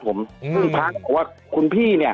คุณติเล่าเรื่องนี้ให้ฮะ